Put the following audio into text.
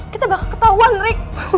kita bakal ketahuan rik